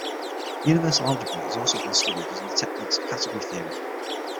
Universal algebra has also been studied using the techniques of category theory.